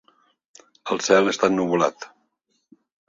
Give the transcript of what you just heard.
El Cel està ennuvolat.